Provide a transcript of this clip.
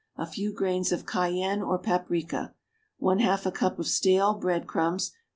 A few grains of cayenne or paprica. 1/2 a cup of stale bread crumbs.